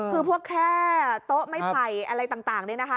คือพวกแค่โต๊ะไม่ไผ่อะไรต่างนี่นะคะ